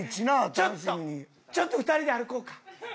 ちょっとちょっと２人で歩こうか。